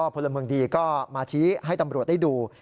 พลเมืองดีก็มาชี้ให้ตำรวจได้ดู